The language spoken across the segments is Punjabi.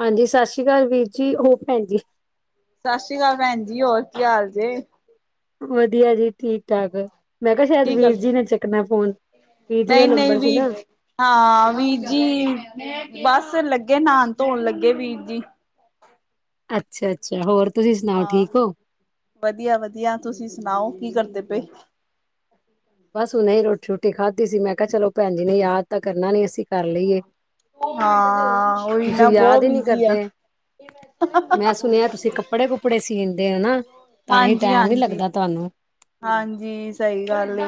ਹਾਂਜੀ ਸਤਿ ਸ੍ਰੀ ਅਕਾਲ ਵੀਰ ਜੀ, ਓ ਪੈਣ ਜੀ। ਸਤਿ ਸ਼੍ਰੀ ਅਕਾਲ ਪੈਣ ਜੀ, ਹੋਰ ਕੀ ਹਾਲ ਜੇ? ਵਧੀਆ ਜੀ ਠੀਕ- ਠਾਕ। ਮੈਂ ਕੇਹਾ ਸ਼ਾਇਦ ਕੀ ਵੀਰ ਕਰਦੇ? ਜੀ ਨੇ ਚੱਕਣਾ ਫੋਨ, ਵੀਰ ਜੀ ਦਾ ਨਹੀਂ ਨਹੀਂ ਨੰਬਰ ਸੀ ਨਾ। ਵੀਰ ਹਾਂ ਵੀਰ ਜੀ, ਬਸ ਲੱਗੇ ਨਾਨ ਧੋਣ ਲੱਗੇ ਵੀਰ ਜੀ। ਅੱਛਾ-ਅੱਛਾ। ਹੋਰ ਤੁਸੀਂ ਸੁਣਾਓ ਠੀਕ ਓ। ਵਧੀਆ-ਵਧੀਆ, ਤੁਸੀਂ ਸੁਣਾਓ ਕੀ ਕਰਦੇ ਪਏ? ਬਸ ਹੁਨੇ ਹੀ ਰੋਟੀ-ਰੁਟੀ ਖਾਧੀ ਸੀ‌। ਮੈਂ ਕੇਹਾ ਚਲੋ ਪੈਣ ਜੀ ਨੇ ਯਾਦ ਤਾਂ ਕਰਨਾ ਨੀ ਅਸੀਂ ਕਰ ਲਈਏ। ਹਾਂ ਉਹੀ ਤੁਸੀਂ ਨਾ ਯਾਦ ਬਹੁਤ ਹੀ ਨਈ ਬਿਜੀ ਆ। ਕਰਦੇ। ਮੈਂ ਸੁਣਿਆ ਤੁਸੀਂ ਕੱਪੜੇ-ਕੁਪੜੇ ਸੀਂਦੇ ਹੋ ਨਾ। ਤਾਂ ਹੀ ਹਾਂਜੀ ਟੇਮ ਨੀ ਹਾਂਜੀ ਲੱਗਦਾ ਤੁਆਨੂੰ। ਹਾਂਜੀ ਸਹੀ ਗੱਲ ਏ,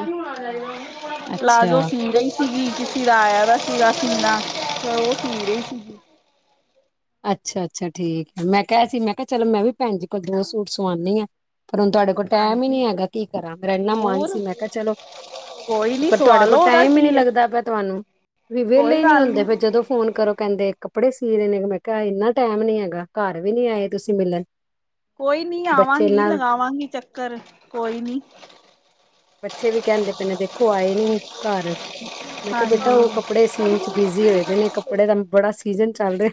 ਪਲਾਜੋ ਅੱਛਾ ਸੀਨ ਦਈ ਸੀਗੀ, ਕਿਸੇ ਦਾ ਆਯਾ ਦਾ ਸੀਗਾ ਸੀਨਾ ਫੇਰ ਓਹ ਸੀਦੀ ਸੀਗੀ। ਅੱਛਾ-ਅੱਛਾ ਠੀਕ, ਮੈਂ ਕੇਆ ਸੀ ਮੈਂ ਕੇਆ ਚਲੋ ਮੈਂ ਵੀ ਪੈਨ ਜੀ ਕੋਲ ਦੋ ਸੂਟ ਸਵਾਨੀ ਆ ਪਰ ਹੁਨ ਤੁਆਡ ਕੋ ਟੈਮ ਹੀ ਹਾਂਜੀ ਨੀ ਹੈਗਾ ਕੀ ਕਰਾਂ, ਮੇਰਾ ਏਨਾ ਮਨ ਜ਼ਰੂਰ ਸੀ ਮੈਂ ਕੇਆ ਚਲੋ ਕੋਈ ਨੀ ਪਰ ਸਵਾ ਤੁਆਡੇ ਲੋ ਕੋਲ ਉਹਦਾ ਟੈਮ ਈ ਕੀ ਨੀ ਏ ਲੱਗਦਾ ਪਿਆ ਤੁਆਨੂੰ। ਵੀ ਕੋਈ ਵੇਲੇ ਨੀ ਗੱਲ ਹੁੰਦੇ ਪਏ, ਜਦੋਂ ਫੋਨ ਕਰੋ ਕੈਂਦੇ ਕੱਪੜੇ ਸੀ ਰੇ ਨੇ, ਮੈਂ ਕੇਆ ਏਨਾ ਟੈਮ ਨੀ ਹੈਗਾ। ਕੱਰ ਵੀ ਨੀ ਆਏ ਤੁਸੀਂ ਮਿਲਨ। ਕੋਈ ਨੀ ਆਵਾਂਗੀ, ਲਗਾਵਾਂਗੀ ਚੱਕਰ ਕੋਈ ਨੀ। ਬੱਚੇ ਵੀ ਕੈਂਦੇ ਪੈ ਨੇ ਦੇਖੋ ਆਏ ਨੀ ਕੱਰ, ਮੈਂ ਕੇਆ ਬੇਟਾ ਓ ਹਾਂਜੀ। ਕੱਪੜੇ ਸੀਨ ਚ ਬਿਜ਼ੀ ਹੋਏ ਦੇਨੇ ਕੱਪੜੇ ਦਾ ਬੜਾ ਸੀਜਨ ਚੱਲ ਰੇ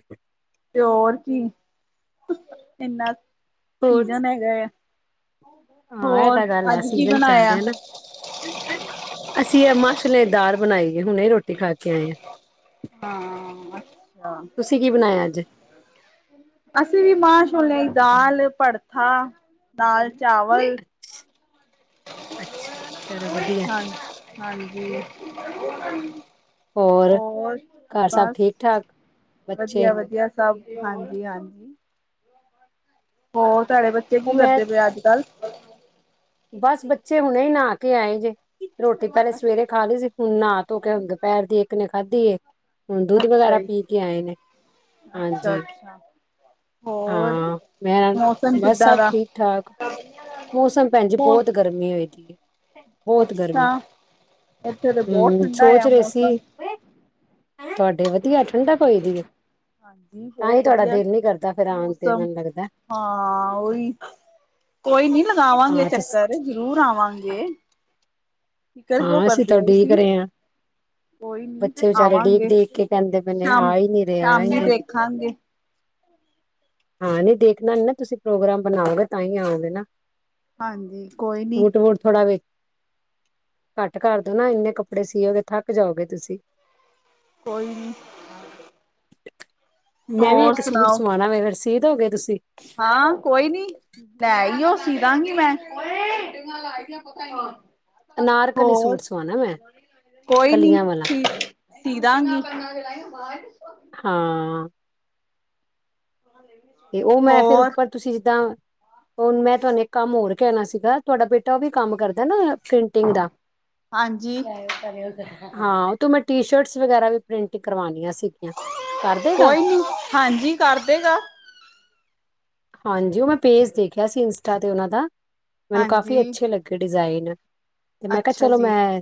ਤੇਓਰ ਕੀ ਏਨਾ ਹੋਰ ਸੀਜਨ ਹੈਗਾ ਐ। ਹਾਂ ਇਹ ਹੋਰ ਤਾਂ ਗੱਲ ਅੱਜ ਹੈ ਕੀ ਸੀਜਨ ਚੱਲ ਬਣਾਇਆ? ਰਿਹਾ ਨਾ। ਅਸੀਂ ਏ ਮਾਹ ਛੋਲਿਆਂ ਦੀ ਦਾਲ ਬਣਾਈ ਏ ਹੁਨੇ ਰੋਟੀ ਰੋਟੀ ਖਾ ਕੇ ਆਏ ਆ। ਹਾਂ ਅੱਛਾ ਤੁਸੀਂ ਕੀ ਬਣਾਇਆ ਅੱਜ? ਅਸੀਂ ਵੀ ਮਾਂ ਛੋਲਿਆ ਈ ਦਾਲ, ਪੜਥਾ ਨਾਲ ਚਾਵਲ ਛ ਅੱਛਾ ਚਲੋ ਵਧੀਆ। ਹਾਂ ਹਾਂਜੀ। ਹੋਰ ਘਰ ਸਭ ਬਸ ਠੀਕ ਠਾਕ ਬੱਚੇ ਵਧੀਆ-ਵਧੀਆ। ਸਭ ਜੀ ਹਾਂਜੀ-ਹਾਂਜੀ। ਹੋਰ ਤਾਡੇ ਬੱਚੇ ਉਹ ਕੀ ਮੈਂ ਕਰਦੇ ਪਏ ਅੱਜ-ਕੱਲ੍ਹ ਬਸ ਬੱਚੇ ਹੁਣੇ ਨਹਾ ਕੇ ਆਏ ਜੇ ਰੋਟੀ ਪੈਲੇ ਸਵੇਰੇ ਖਾ ਲਈ ਸੀ। ਹੁਨ ਨਾ ਧੋ ਕੇ ਹੁ ਦੁਪੇਰ ਦੀ ਏਕ ਨੇ ਖਾਧੀ ਏ। ਹੁਨ ਦੁੱਧ ਅੱਛਾ ਵਗੈਰਾ ਜੀ ਪੀ ਕੇ ਆਏ ਨੇ ਅੱਛਾ ਹਾਂਜੀ। ਅੱਛਾ ਹੋਰ ਹਾਂ ਮੈਂ ਮੌਸਮ ਬਸ ਕਿੱਦਾਂ ਸਭ ਦਾ? ਠੀਕ-ਠਾਕ। ਮੌਸਮ ਪੈਨ ਜੀ ਮੋ ਬੋਤ ਗਰਮੀ ਹੋਈ ਦੀ ਏ। ਬੋਤ ਗਰਮੀ ਅੱਛਾ, ਇੱਥੇ ਤੇ ਬਹੁਤ ਹੂੰ ਠੰਡਾ ਸੋਚ ਆ ਰਏ ਮੌਸਮ। ਸੀ। ਤੁਆਡੇ ਵਧੀਆ ਠੰਡਕ‌ ਹੋਈ ਦੀ ਏ। ਹਾਂਜੀ, ਤਾਂ ਈ ਬਹੁਤ ਤੁਆਡਾ ਵਧੀਆ। ਦਿਲ ਨੀ ਕਰਦਾ ਫੇਰ ਆਨ ਤੇ ਮੌਸਮ ਮੇਨੂੰ ਲੱਗਦਾ। ਹਾਂ ਓਈ ਕੋਈ ਨੀ ਲਗਾਵਾਂਗੇ ਹਾਂ ਤੁਸ ਚੱਕਰ ਜਰੂਰ ਆਵਾਂਗੇ। ਫਿਕਰ ਕਿਉਂ ਹਾਂ ਅਸੀਂ ਤਾਂ ਕਰਦੇ ਓ ਉਡੀਕ ਤੁਸੀਂ। ਰਹੇ ਹਾਂ ਕੋਈ ਨੀ ਬੱਚੇ ਵਿਚਾਰੇ ਉਡੀਕ ਆਵਾਂਗੇ ਉਡੀਕ ਕੇ ਕਹਿੰਦੇ ਪਏ ਨੇ ਸ਼ਾਮ- ਆ ਹੀ ਨੀ ਰਹੇ ਆ ਹੀ ਨੀ ਸ਼ਾਮੀ ਰਹੇ। ਦੇਖਾਂਗੇ। ਹਾਂ ਨੀ ਦੇਖਨਾ ਨੀ ਨਾ, ਤੁਸੀਂ ਪ੍ਰੋਗਰਾਮ ਬਨਾਓਗੇ ਤਾਂ ਈ ਆਓਗੇ ਨਾ। ਹਾਂਜੀ ਕੋਈ ਨੀ। ਹੋਰ ਥੋੜਾ ਵੇ ਘੱਟ ਕਰਦੋ ਨਾ, ਇੰਨੇ ਕੱਪੜੇ ਸੀਓਗੇ ਥੱਕ ਜਾਓਗੇ ਤੁਸੀਂ। ਕੋਈ ਨੀ। ਇੱਕ। ਮੈਂ ਵੀ ਹੋਰ ਏਕ ਸੂਟ ਸੁਣਾਓ ਸੁਵਾਣਾ ਵੇ ਅਗਰ ਸੀ ਦੋ ਗੇ ਤੁਸੀਂ। ਹਾਂ ਕੋਈ ਨੀ, ਲੈ ਆਇਓ ਸੀ ਦਾਂਗੀ ਮੈਂ। [unintelligible] ਅਨਾਰਕਲੀ ਹੋਰ ਸੂਟ ਸੁਵਾਨਾ ਮੈਂ। ਕੋਈ ਨੀ, ਕਲੀਆਂ ਵਾਲਾ ਸੀ- ਸੀ ਦਾਂਗੀ। ਹਾਂ। [unintelligible] ਤੇ ਓ ਮੈਂ ਫੇਰ ਹੋਰ ਉੱਪਰ, ਤੁਸੀਂ ਜਿੱਦਾਂ ਹੁਨ ਮੈਂ ਤੁਆਨੂੰ ਇੱਕ ਕੰਮ ਹੋਰ ਕੈਨਾ ਸੀਗਾ ਤੁਆਡਾ ਬੇਟਾ‌ ਓ ਵੀ ਕੰਮ ਕਰਦੈ ਨਾ ਪੇ ਹਾਂਜੀ। ਐ ਕਰਯੋ ਹਾਂ ਜਰਾ ਉਹ ਤੋਂ ਮੈਂ ਟੀ- ਸ਼ਰਟਸ ਵਗੈਰਾ ਵੀ ਪ੍ਰਿੰਟ ਕਰਵਾਨੀਆਂ ਸੀਗੀਆਂ। ਕਰ ਦੇਗਾ ਕੋਈ ਨੀ, ਹਾਂਜੀ ਕਰ ਦੇਗਾ। ਹਾਂਜੀ ਓ ਮੈਂ ਪੇਜ ਦੇਖਿਆ ਸੀ ਇੰਸਟਾ ਤੇ ਉਨਾਂ ਦਾ, ਮੈਨੂੰ ਕਾਫ਼ੀ ਹਾਂਜੀ ਅੱਛੇ ਲੱਗੇ ਡਿਜ਼ਾਇਨ। ਤੇ ਮੈਂ ਕਿਆ ਅੱਛਾ ਚਲੋ ਜੀ ਮੈਂ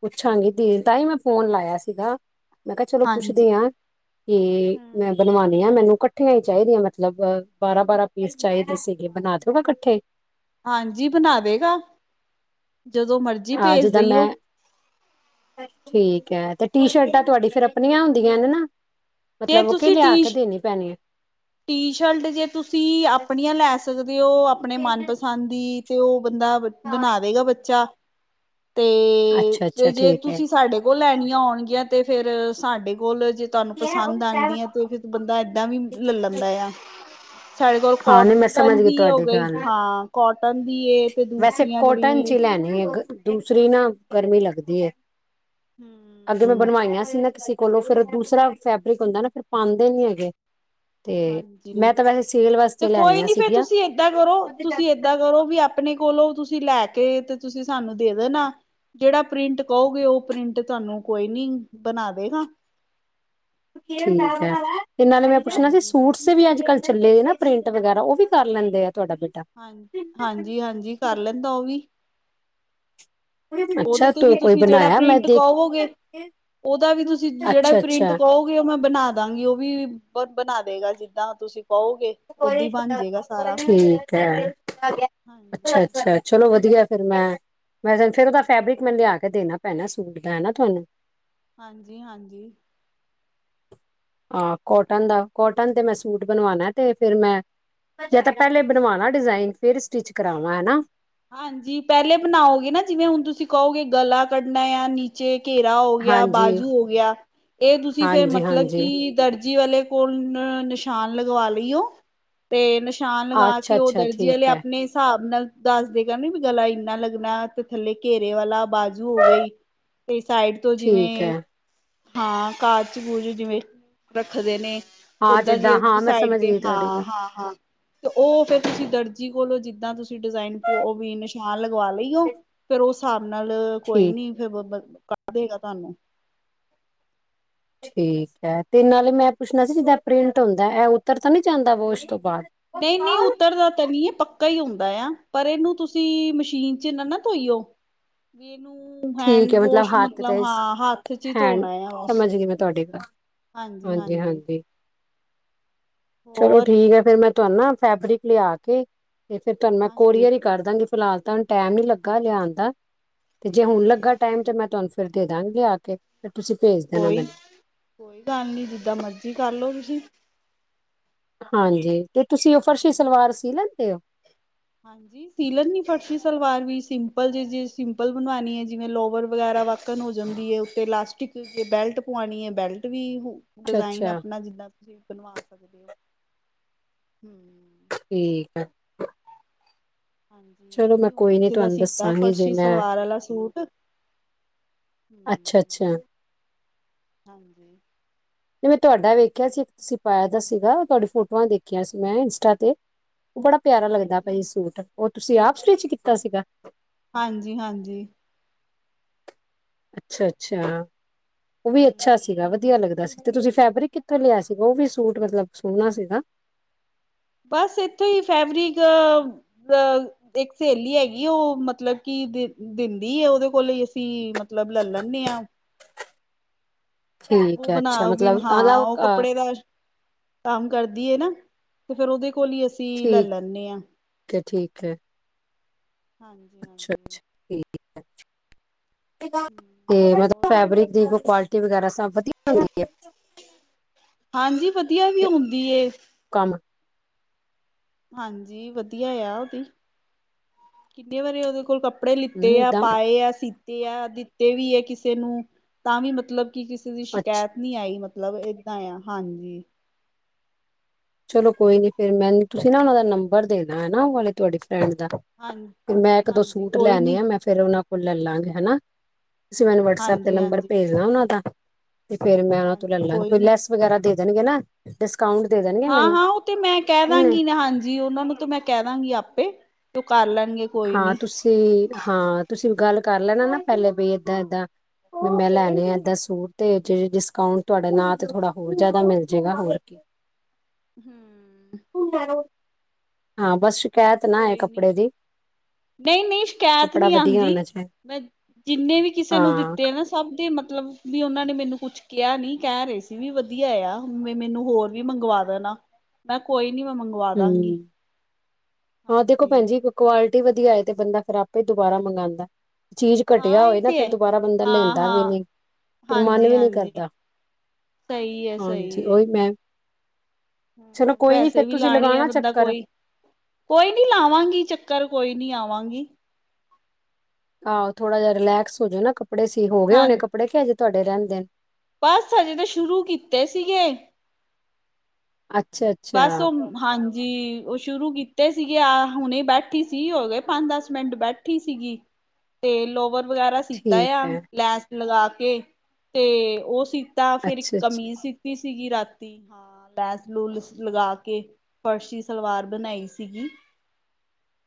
ਪੁੱਛਾਂਗੀ ਦੀ, ਤਾਂ ਈ ਮੈਂ ਫੋਨ ਲਾਇਆ ਸੀਗਾ। ਮੈਂ ਕਿਆ ਚਲੋ ਹਾਂਜੀ। ਪੁੱਛਦੀ ਆ ਕਿ ਮੈਂ ਹੂੰ। ਬਣਵਾਣੀ ਐ, ਮੈਨੂੰ ਕੱਠੀਆਂ ਈ ਚਾਈਦੀ ਐ ਮਤਲਬ ਬਾਰਾਂ- ਬਾਰਾਂ ਪੀਸ ਚਾਈਦੇ ਸੀਗੇ, ਬਨਾ ਦੋਗੇ ਕੱਠੇ? ਹਾਂਜੀ ਬਨਾ ਦੇਗਾ ਜਦੋਂ ਮਰ ਅੱਜ ਤਾਂ ਮੈਂ ਠੀਕ ਐ! ਤੇ ਟੀ- ਸ਼ਰਟਾਂ ਤੁਆਡੀ ਫੇਰ ਅਪਣੀਆਂ ਹੁੰਦੀਆਂ ਨੇ ਨਾ। ਜੇ ਮਤਲਬ ਕਿ ਤੁਸੀਂ ਲਿਆ ਟੀ ਕੇ ਦੇਨੀ ਪੈਣੀ ਐ। ਟੀ ਸ਼ਲਟ ਜੇ ਤੁਸੀਂ ਅਪਣੀਆਂ ਲੈ ਸਕਦੇ ਓ ਅਪਣੇ ਮਨਪਸੰਦ ਦੀ ਤੇ ਓ ਬੰਦਾ, ਬ -ਬਨਾ ਦੇਗਾ ਬੱਚਾ। ਤੇ ਅੱਛਾ ਫੇਰ ਅੱਛਾ ਜੇ ਠੀਕ ਹੈ ਤੁਸੀਂ ਸਾਡੇ ਕੋਲ ਲੈਣੀਆਂ ਹੋਣਗੀਆਂ ਤੇ ਫੇਰ ਸਾਡੇ ਕੋਲ ਜੇ ਤੁਆਨੂੰ ਪਸੰਦ ਆਂਦੀਆਂ ਤੇ ਫਿਰ ਬੰਦਾ ਐਦਾਂ ਵੀ ਲੈ-ਲੈਂਦਾ ਯਾਂ। ਸਾਡੇ ਕੋਲ ਹਾਂ ਨਹੀਂ ਮੈਂ ਸਮਝ ਕੋ-ਟਨ ਦੀ ਹੋ ਤੁਹਾਡੀ ਗਈ। ਗੱਲ ਹਾਂ, ਕੋਟਨ ਦੀ ਏ ਤੇ ਵੈਸੇ ਦੂਸਰੀਆਂ ਜਿਹੜੀ ਕੋਟਨ ਚ ਵੀ ਈ ਲੈਨੀ ਏ ਗ - ਦੂਸਰੀ ਨਾ ਗਰਮੀ ਲੱਗਦੀ ਏ। ਹੂੰ। ਅੱਗੇ ਮੈਂ ਬਣਵਾਈਆਂ ਸੀ ਨਾ ਕਿਸੇ ਕੋਲੋਂ ਫੇਰ ਦੂਸਰਾ ਫੈਬਰਿਕ ਹੁੰਦੈ ਨਾ ਫਿਰ ਪਾਂਦੇ ਨੀ ਹੈਗੇ। ਤੇ ਹਾਂਜੀ ਮੈਂ ਤਾਂ ਵੈਸੇ ਸੇਲ ਤੇ ਵਾਸਤੇ ਕੋਈ ਲੈਣੀਆਂ ਨੀ ਫੇਰ ਸੀਗੀਆਂ ਤੁਸੀਂ ਏਦਾਂ ਕਰੋ, ਤੁਸੀਂ ਏਦਾਂ ਕਰੋ ਕਰੋ ਵੀ ਅਪਣੇ ਕੋਲੋਂ ਤੁਸੀਂ ਲੈ ਕੇ ਤੇ ਤੁਸੀਂ ਸਾਨੂੰ ਦੇ ਦੇਣਾ। ਜੇੜਾ ਪ੍ਰਿੰਟ ਕਓਗੇ ਓ ਪ੍ਰਿੰਟ ਤੁਆਨੂੰ ਕੋਈ ਨੀ ਬਨਾ ਦੇਗਾ। ਠੀਕ ਐ। ਤੇ ਨਾਲੇ ਮੈਂ ਪੁੱਛਣਾ ਸੀ ਹਾਂਜੀ ਸੂਟ ਸ ਤੇ ਵੀ ਅੱਜ-ਕੱਲ ਚੱਲੇ ਨੇ ਨਾ ਪ੍ਰਿੰਟ ਵਗੈਰਾ ਓ ਵੀ ਕਰ ਲੈਂਦੈ ਆ ਤੁਆਡਾ ਬੇਟਾ? ਹਾਂਜ-ਹਾਂਜੀ-ਹਾਂਜੀ ਕਰ ਲੈਂਦੈ ਓ ਵੀ। ਓਦੇ ਅੱਛਾ ਤੇ ਵੀ ਤੂੰ ਕੋਈ ਤੁਸੀਂ ਜੇੜਾ ਬਣਾਇਆ ਮੈਂ ਪ੍ਰਿੰਟ ਦੇਖ ਕਵੋਗੇ। ਓਦਾ ਵੀ ਤੁਸੀਂ ਜੇੜਾ ਅੱਛਾ ਪ੍ਰਿੰਟ ਅੱਛਾ ਕਓਗੇ ਗੇ, ਓ ਮੈਂ ਬਣਾ ਦਾਂਗੀ, ਉਹ ਵੀ ਬਣਾ ਦੇਗਾ ਜਿੱਦਾਂ ਤੁਸੀਂ ਕਓਗੇ। [unintelligible] ਠੀਕ ਹੈ [unintelligible] ਹਾਂਜੀ ਅੱਛਾ-ਅੱਛਾ। ਚਲੋ ਵਧੀਆ ਫਿਰ ਮੈਂ ਮੈਂ ਜ ਫਿਰ ਉਹਦਾ ਫੈਬਰਿਕ ਮੈਨ ਲਿਆ ਕੇ ਦੇਣਾ ਪੈਣਾ ਸੂਟ ਦਾ ਹੈ ਨਾ ਤੁਹਾਨੂੰ ਹਾਂਜੀ-ਹਾਂਜੀ। ਆਹ ਕੋਟਨ ਦਾ ਕੋਟਨ ਤੇ ਮੈਂ ਸੂਟ ਬਣਵਾਣਾ। ਤੇ ਫੇਰ ਮੈਂ ਜਾਂ ਤਾਂ ਪਹਿਲੇ ਬਣਵਾਣਾ ਡਿਜ਼ਾਇਨ ਫੇਰ ਸਟਿਚ ਕਰਾਵਾਂ ਹਨਾ। ਹਾਂਜੀ ਪਹਿਲੇ ਬਣਾਓਗੇ ਨਾ ਜਿਵੇਂ ਹੁਣ ਤੁਸੀਂ ਕਹੋਗੇ ਗਲਾ ਕੱਢਣਾ ਯਾ ਨੀ ਚੇ ਘੇਰਾ ਹੋ ਗਿਆ, ਹਾਂਜੀ ਬਾਜੂ ਹੋ ਗਿਆ, ਇਹ ਤੁਸੀਂ ਫੇਰ ਹਾਂਜੀ ਮਤਲਬ ਹਾਂਜੀ ਕਿ ਦਰਜ ਜੀ ਵਾਲੇ ਕੋਲ ਨਿਸ਼ਾਨ ਲਗਵਾ ਲਈਓ। ਤੇ ਨਿਸ਼ਾਨ ਲਗਾ ਅੱਛਾ ਕੇ ਉਹ ਅੱਛਾ ਦਰਜੀ ਆਲੇ ਠੀਕ ਹੈ ਆਪਣੇ ਹਿਸਾਬ ਨਾਲ ਦੱਸਦੇਗਾ ਨੀ ਗਲਾ ਇੰਨਾ ਲੱਗਣਾ ਤੇ ਥੱਲੇ ਘੇਰੇ ਵਾਲਾ ਬਾਜੂ ਹੋ ਗਈ। ਤੇ ਸਾਈਡ ਤੋਂ ਜਿਵੇਂ ਠੀਕ ਹੈ ਹਾਂ ਕਾਰਾਜ ਕੂਜ ਜਿਵੇਂ ਰੱਖਦੇ ਨੇ ਹਾਂ ਓਦਾਂ ਜਿੱਦਾਂ ਜਿਆ ਹਾਂ ਮੈਂ ਸਾਈਡ ਸਮਝ ਤੇ ਗਈ ਤੁਹਾਡੀ ਗੱਲ ਹਾਂ-ਹਾਂ, ਹਾਂ। ਤੇ ਉਹ ਫੇਰ ਤੁਸੀਂ ਦਰਜੀ ਕੋਲੋਂ ਜਿੱਦਾਂ ਤੁਸੀਂ ਡਿਜ਼ਾਇਨ ਪ ਉਹ ਵੀ ਨਿਸ਼ਾਨ ਲਗਵਾ ਲੀ। ਫੇਰ ਉਸ ਸਾਬ ਨਾਲ ਕੋਈ ਠੀਕ ਨੀ ਫੇਰ ਬਬਰ ਕੱਢ ਦੇਗਾ ਤੁਹਾਨੂੰ। ਠੀਕ ਹੈ ਤੇ ਨਾਲੇ ਮੈਂ ਪੁੱਛਣਾ ਸੀ ਜਿੱਦਾਂ ਪ੍ਰਿੰਟ ਹੁੰਦਾ ਇਹ ਉੱਤਰ ਤਾਂ ਨੀ ਜਾਂਦਾ ਵਾਸ਼ ਤੋਂ ਬਾਦ। ਨਈਂ-ਨਈਂ ਉਤਰਦਾ ਤਾਂ ਨੀ ਐ ਪੱਕ ਕਾ ਹੀ ਹੁੰਦਾ ਆ ਪਰ ਇਹਨੂੰ ਤੁਸੀਂ ਮਸ਼ੀਨ ਚ ਨਾ ਨਾ ਧੋਈਓ ਵੀ ਇਹਨੂੰ ਠੀਕ ਹੈ ਹੈਂਡਵੋਸ਼ ਹੱਥ ਮਤਲਬ ਤੇ ਹਾਂ ਹੱਥ ਚ ਹੀ ਹੈਂਡ ਧੋਣਾ ਆ ਬਸ। ਸਮਝ ਗਈ ਮੈਂ ਤੁਹਾਡੀ ਗੱਲ ਹਾਂਜੀ ਹਾਂਜੀ-ਹਾਂਜੀ। ਹਾਂਜੀ ਚਲੋ ਠੀਕ ਹੈ ਫੇਰ ਮੈਂ ਤੁਹਾਨੂੰ ਨਾ ਫੈਬਰਿਕ ਲਿਆ ਕੇ ਤੇ ਫੇਰ ਤੁਹਾਨੂੰ ਮੈਂ ਹਾਂਜੀ ਕੋਰੀਅਰ ਹੀ ਕਰ ਦਾਂਗੀ ਫਿਲਹਾਲ ਤਾਂ ਹੂੰਨ ਟੈਮ ਨੀ ਲੱਗਾ ਲਿਆਉਣ ਦਾ। ਤੇ ਜੇ ਹੁਣ ਹਾਂਜੀ ਲੱਗਾ ਟਾਈਮ ਤੇ ਮੈਂ ਤੁਹਾਨੂੰ ਫੇਰ ਦੇਦਾਗੀ ਆ ਕੇ ਫੇਰ ਤੁਸੀਂ ਭੇਜ ਦੇਣਾ ਕੋਈ ਮੈਨੂੰ। ਕੋਈ ਗੱਲ ਨੀ ਜਿੱਦਾਂ ਮਰਜੀ ਕਰਲੋ ਤੁਸੀਂ। ਹਾਂਜੀ ਤੇ ਤੁਸੀਂ ਉਹ ਫਰਸ਼ੀ ਸਲਵਾਰ ਸੀ ਲੈਂਦੇ ਹੋ। ਹਾਂਜੀ। ਸੀ ਲੈਨੀ ਫਰਸ਼ੀ ਸਲਵਾਰ ਵੀ ਸਿੰਪਲ ਜੇ-ਜੇ ਸਿੰਪਲ ਬਣਵਾਉਣੀ ਹੈ ਜਿਵੇਂ ਲੋਵਰ ਵਗੈਰਾ ਵਾਕਣ ਹੋ ਜਾਂਦੀ ਹੈ ਉੇ। ਤੇ ਇਲਾਸਟਿਕ ਬੈਲਟ ਪਵਾਉਣੀ ਹੈ ਬੈਲਟ ਵੀ। ਅੱਛਾ ਡਿਜ਼ਾਇਨ ਅੱਛਾ ਆਪਣਾ ਜਿੱਦਾਂ ਤੁਸੀਂ ਬਣਵਾ ਸਕਦੇ ਹੋ ਹੂੰ। ਠੀਕ ਹੈ। ਹਾਂਜੀ ਚਲੋ ਮੈਂ ਵੀ ਹੁਣ ਕੋਈ ਨੀ ਕਿਸੇ ਦਾ ਤੁਹਾਨੂੰ ਸੀਤਾ ਦੱਸਾਂਗੀ ਜੇ ਫਰਸ਼ੀ ਮੈਂ ਸਲਵਾਰ ਆਲਾ ਸੂਟ। ਅੱਛਾ-ਅੱਛਾ। ਹਾਂਜੀ। ਜ ਮੈਂ ਤੁਹਾਡਾ ਵੇਖਿਆ ਸੀ ਇੱਕ ਤੁਸੀਂ ਪਾਇਆ ਦਾ ਸੀਗਾ ਤੁਹਾਡੀ ਫੋਟੋਆਂ ਦੇਖੀਆਂ ਸੀ ਮੈਂ ਇੰਸਟਾ ਤੇ। ਉਹ ਬੜਾ ਪਿਆਰਾ ਲੱਗਦਾ ਪਿਆ ਹੀ ਹਾਂਜੀ ਸੂਟ ਉਹ ਤੁਸੀਂ ਆਪ ਸਟਿਚ ਕੀਤਾ ਸੀਗਾ। ਹਾਂਜੀ-ਹਾਂਜੀ। ਅੱਛਾ-ਅੱਛਾ ਉਹ ਵੀ ਅੱਛਾ ਸੀ। ਹਮ ਸੀਗਾ ਵਧੀਆ ਲੱਗਦਾ ਸੀ ਤੇ ਤੁਸੀਂ ਫੈਬਰਿਕ ਕਿੱਥੋਂ ਲਿਆ ਸੀਗਾ ਉਹ ਵੀ ਸੂਟ ਮਤਲਬ ਸੋਹਣਾ ਸੀਗਾ। ਬਸ ਇੱਥੋਂ ਹੀ ਫੈਬਰਿਕ ਅ ਇੱਕ ਸਹੇਲੀ ਹੈਗੀ ਉਹ ਮਤਲਬ ਕਿ ਦਿੰਦੀ ਉਹਦੇ ਕੋਲ ਅਸੀਂ ਮਤਲਬ ਲੈ ਲੈਨੇ ਹਾਂ। ਠੀਕ ਉਹ ਹੈ ਬਣਾ ਅੱਛਾ ਬੀ ਵੀ ਮਤਲਬ ਆਲਾ ਹਾਂ, ਉਹ ਅ ਕੱਪੜੇ ਦਾ ਕੰਮ ਕਰਦੀ ਹੈ ਨਾ, ਤੇ ਫਿਰ ਉਹਦੇ ਕੋਲ ਹੀ ਅਸੀਂ ਲੈ ਲੈਂਨੇ ਹਾਂ। ਤੇ ਠੀਕ ਹੈ। ਹਾਂਜੀ ਅੱਛਾ ਅੱਛਾ ਹਾਂਜੀ [unintelligible] ਹੋਰ ਦੀ ਕੁਆਲਿਟੀ ਵਗੈਰਾ ਸਭ ਵਧੀਆ ਹੁੰਦੀ ਏ ਹਾਂਜੀ ਵਧੀਆ ਵੀ ਹੈ? ਹੁੰਦੀ ਏ ਕੰਮ ਹਾਂਜੀ ਵਧੀਆ ਆ ਉਹਦੀ, ਕਿੰਨੇ ਵਾਰੀ ਉਹਦੇ ਕੋਲ ਕੱ ਕੱਪੜੇ ਲਿੱਤੇ ਹਮ ਆ, ਤਾਂ ਪਾਏ ਆ, ਸੀਤੇ ਆ, ਦਿੱਤੇ ਵੀ ਏ, ਕਿਸੇ ਨੂੰ ਤਾਂ ਵੀ ਮਤਲਬ ਕੀ ਕਿਸੇ ਦੀ ਅੱਛਾ ਸ਼ਿਕਾਇਤ ਨੀ ਆਈ, ਮਤਲਬ ਏਦਾਂ ਆ ਹਾਂਜੀ ਚਲੋ ਕੋਈ ਨੀ ਫਿਰ ਮੈਨੂੰ ਤੁਸੀਂ ਨਾ ਉਹਨਾਂ ਦਾ ਨੰਬਰ ਦੇਣਾ ਹੈਨਾ, ਉਹ ਵਾਲੇ ਤੁਹਾਡੀ ਫਰੈਂਡ ਦਾ ਹਾਂ ਤੇ ਮੈਂ ਇੱਕ ਦੋ ਹਾਂਜੀ ਸੂਟ ਕੋਈ ਲੈਣੇੇ ਨੀ ਆ, ਮੈਂ ਫਿਰ ਫਿਰ ਉਹਨਾਂ ਕੋਲ ਲੈਲਾਂਗੇ ਹੈਨਾ, ਤੁਸੀਂ ਮੈਨੂੰ ਵਟਸਅਪ ਤੇ ਹਾਂਜੀ ਨੰਬਰ ਹਾਂਜੀ ਭੇਜਨਾ ਉਹਨਾਂ ਦਾ ਤੇ ਫੇਰ ਮੈਂ ਉਹਨਾਂ ਤੋਂ ਲੈ ਹਾਂਜੀ ਲਾਂ ਕੋਈ ਨੀ ਲੈਸ ਵਗੈਰ ਦੇ ਦੇਣਗੇ ਨਾ ਡਿਸਕਾਊਂਟ ਤੇ ਹਾਂ ਹਾਂ, ਉਹ ਤੇ ਮੈਂ ਕਹਿ ਦਾਂਗੀ ਨਾ ਹਾਂਜੀ, ਉਹਨਾਂ ਨੂੰ ਤੇ ਮੈਂ ਕਹਿ ਦਾਂਗੀ ਆਪੇ, ਉਹ ਕਰ ਲੈਣ ਹਾਂ ਤੁਸੀਂ ਹਾਂ ਤੁਸੀਂ ਵੀ ਗੱਲ ਕਰ ਲੈਣਾ ਨਾ ਪਹਿਲੇ ਬੀ ਏਦਾਂ ਏਦਾਂ ਮੈਂ ਲੈਣੇ ਆ ਏਦਾਂ ਸੂਟ, ਤੇ ਜੇ ਡਿਸਕਾਊਂਟ ਤੁਹਾਡੇ ਨਾਅ ਤੇ ਥੋੜਾ ਹੋਰ ਜ਼ਿਆਦਾ ਮਿਲ ਜੇਗਾ, ਹੋਰ ਕੀ ਹੰ ਹਾਂ, ਬਸ ਸ਼ਿਕਾਇਤ ਨਾ ਆਏ ਕੋਈ ਨੀ ਕੱਪੜੇ ਦੀ ਨਹੀਂ ਨਹੀਂ, ਸ਼ਿਕਾਇਤ ਕੱਪੜਾ ਨਹੀਂ ਵਧੀਆ ਆਂਦੀ, ਹੋਣਾ ਚਾਹੀਦਾ ਮੈਂ ਜਿੰਨੇ ਵੀ ਕਿਸੇ ਨੂੰ ਹਾਂ ਦਿੱਤੇ ਆ ਨਾ ਸਭ ਦੇ ਮਤਲਬ, ਵੀ ਉਹਨਾਂ ਨੇ ਮੈਨੂੰ ਕੁੱਛ ਕਿਹਾ ਨੀ ਕਹਿ ਰਹੇ ਸੀ ਵੀ ਵਧੀਆ ਆ ਮੈਨੂੰ ਹੋਰ ਵੀ ਮੰਗਵਾ ਦੇਣਾ ਮੈਂ ਕੋਈ ਨੀ, ਮੈਂ ਮੰਗਵਾ ਦਾੰਗੀ ਹੂੰ ਹਾਂ, ਦੇਖੋ ਭੈਣਜੀ ਕੁਆਲਿਟੀ ਵਧੀਆ ਹੋਏ, ਤੇ ਬੰਦਾ ਫਿਰ ਆਪੇ ਦੁਬਾਰਾ ਮੰਗਾਂਦਾ ਏ ਚੀਜ਼ ਹਾਂ ਘਟਿਆ ਹੋਏ ਇਹ ਨਾ, ਤੇ ਫਿਰ ਹੈ ਦੁਬਾਰਾ ਬੰਦਾ ਹਾਂ ਲੈਂਦਾ ਵੀ ਹਾਂ ਨਹੀਂ ਫਿਰ ਮਨ ਹਾਂਜੀ ਵੀ ਨਹੀਂ ਹਾਂਜੀ ਕਰਦਾ, ਸਹੀ ਹੈ ਹਾਂਜੀ ਓਹੀ ਮੈਂ ਚਲੋ ਹਮ ਕੋਈ ਨੀ ਪੈਸੇ ਫੇਰ ਵੀ ਤੁਸੀਂ ਲਾਣੇ ਆ ਲਗਾਣਾ ਬੰਦਾ ਚੱਕਰ ਕੋਈ ਕੋਈ ਨਹੀਂ ਲਾਵਾਂਗੀ ਚੱਕਰ, ਕੋਈ ਨੀ ਆਵਾਂਗੀ ਆਹ ਥੋੜਾ ਜਿਹਾ ਰਿਲੈਕਸ ਹੋਜੇ ਨਾ ਕੱਪੜੇ ਸੀ, ਹੋਗੇ ਹੋਣੇ ਹਾਂਜੀ ਕੱਪੜੇ ਕਿ ਹਜੇ ਤੁਹਾਡੇ ਰਹਿੰਦੇ ਨੇ ਬਸ, ਹਜੇ ਤੇ ਸ਼ੁਰੂ ਕੀਤੇ ਸੀਗੇ [unintelligible] ਬਸ ਅੱਛਾ ਉਹ ਹਾਂਜੀ, ਉਹ ਸ਼ੁਰੂ ਕੀਤੇ ਸੀਗੇ, ਆ ਹੁਣੇ ਬੈਠੀ ਸੀ ਹੋ ਗਏ ਪੰਜ ਦਸ ਮਿੰਟ ਬੈਠ ਠੀ ਸੀਗੀ, ਤੇ ਲੋਵਰ ਵਗੈਰਾ ਸੀਤਾ ਠੀਕ ਆ ਹੈ ਲੈਂਸ ਲਗਾ ਕੇ ਤੇ ਉਹ ਸੀ ਤਾਂ, ਫਿਰ ਇੱਕ ਅੱਛਾ ਅੱਛਾ ਕਮੀਜ਼ ਸੀਤੀ ਸੀਗੀ ਰਾਤੀ, ਹਾਂ ਲੈਸ ਲੂਲਸ ਲਗਾ ਕੇ ਫਰਸ਼ੀ ਸਲਵਾਰ ਬਣਾਈ ਸੀਗੀ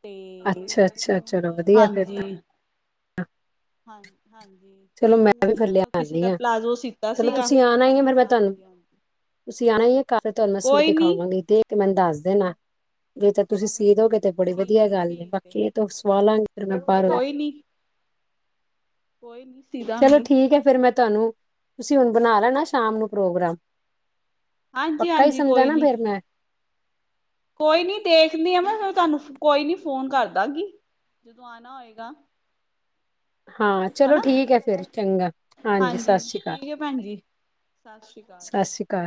ਤੇ, ਅੱਛਾ ਅੱਛਾ ਹੁਣ ਚਲੋ ਵਧੀਆ ਫਿਰ ਹਾਂਜੀ ਤਾਂ ਹਾਂਜੀ ਹਾਂਜੀ ਤੇ ਚਲੋ ਮੈਂ ਵੀ ਹੁਣ ਫਿਰ ਕਿਸੇ ਲਿਆਨੀ ਦਾ ਆ ਪਲਾਜ਼ੋ ਸੀਤਾ ਚਲੋ ਸੀਗਾ, ਤੁਸੀਂ ਆਣਾ ਹੀ ਹੈ ਫਿਰ ਮੈਂ ਤੁਹਾਨੂੰ ਹਾਂਜੀ ਹਾਂਜੀ ਤੁਸੀਂ ਆਣਾ ਈ ਏ ਘਰ ਤੇ ਮੈਂ ਸੂਟ ਕੋਈ ਨੀ ਦਿਖਾਵਾਂਗੀ ਦੇਖ ਕੇ ਮੈਨੂੰ ਦੱਸ ਦੇਣਾ ਨੀ ਤੇ ਤੁਸੀਂ ਸੀ ਦੋਗੇ ਤੇ ਬੜੀ ਵਧੀਆ ਠੀਕ ਗੱਲ ਏ ਠੀਕ ਹੈ ਬਾਕੀ ਇਹ ਤਾ ਸਵਾਲਾਂਗੀ ਫਿਰ ਮੈਂ ਬਾਹਰੋਂ ਈ ਕੋਈ ਨੀ ਕੋਈ ਨ ਸੀ ਚਲੋ ਠੀਕ ਏ ਫਿਰ ਮੈਂ ਤੁਹਾਨੂੰ ਤੁਸੀਂ ਹੁਣ ਬਣਾ ਲੈਣਾ ਸ਼ਾਮ ਨੂੰ ਪ੍ਰੋਗਰਾਮ ਹਾਂਜੀ ਪੱਕਾ ਈ ਹਾਂਜੀ ਸਮਝਾ ਕੋਈ ਨਾ ਨੀ ਫਿਰ ਮੈਂ ਕੋਈ ਨੀ ਦੇਖਦੀ ਆ, ਮੈਂ ਤੁਹਾਨੂੰ ਫ ਕੋਈ ਨੀ ਤੁਹਾਨੂੰ ਫੋਨ ਕਰਦਾਗੀ, ਜਦੋਂ ਆਣਾ ਹੋਏਗਾ ਹਾਂ, ਚਲੋ ਹਨਾ ਠੀਕ ਏ, ਫਿਰ ਚੰਗਾ ਹਾਂਜੀ ਸਤਿ ਸ਼ੀ ਕਾਲ ਠੀਕ ਹੈ ਭੈਣ ਜੀ ਸਤਿ ਸ਼੍ਰੀ ਅਕਾਲ ਸ਼੍ਰੀ ਅਕਾਲ